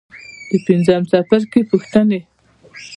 د پنځم څپرکي پوښتنې.